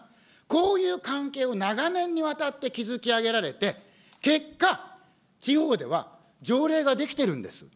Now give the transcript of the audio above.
こういう関係を長年にわたって築き上げられて、結果、地方では条例が出来てるんです。